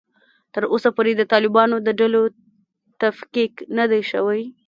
تر اوسه پورې د طالبانو د ډلو تفکیک نه دی شوی